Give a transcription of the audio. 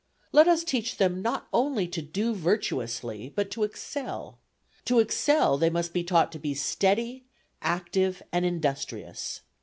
Let us teach them not only to do virtuously, but to excel. To excel, they must be taught to be steady, active, and industrious."